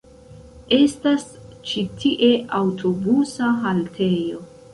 Estas ĉi tie aŭtobusa haltejo.